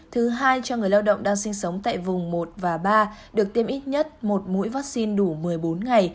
thứ hai cho người lao động đang sinh sống tại vùng một và ba được tiêm ít nhất một mũi vaccine đủ một mươi bốn ngày